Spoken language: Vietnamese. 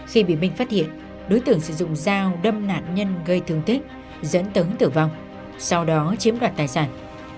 khi bị binh phát hiện đối tượng sử dụng dao đâm nạn nhân gây thương thích dẫn tấn tử vong sau đó chiếm đoạt tài sản